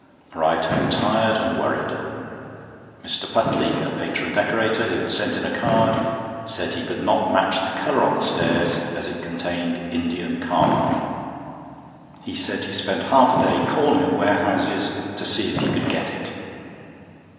Arrived home tired and worried. Mr. Putley, a painter and decorator, who had sent in a card, said he could not match the colour on the stairs, as it contained Indian carmine. He said he spent half a day calling at warehouses to see if he could get it.